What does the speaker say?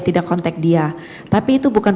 saya bisa kontak dia tapi itu bukan